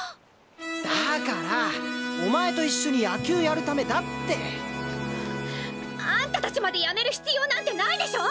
だからお前と一緒に野球やるためだって。あんたたちまでやめる必要なんてないでしょ！